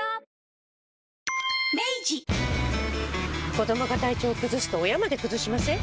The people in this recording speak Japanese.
子どもが体調崩すと親まで崩しません？